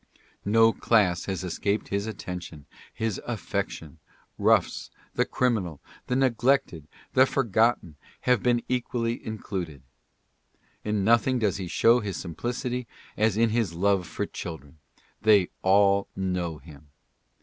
No class has escaped his attention, his af fection : roughs, the criminal, the neglected, the forgotten, have been equally included. In nothing does he show his simplicity as in his love for children. They all know him.